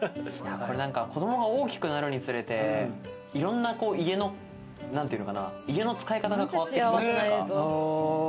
子供が大きくなるにつれて、いろんな家の使い方が変わってきそうというか。